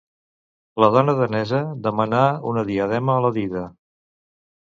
La dona danesa demanà una diadema a la dida.